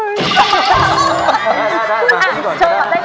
เชิญกันได้ก่อนแล้วกัน